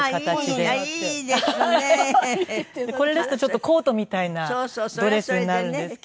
これですとコートみたいなドレスになるんですけど。